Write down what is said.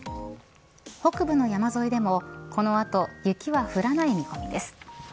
北部の山沿いでもこの後雪は降らない見込みです。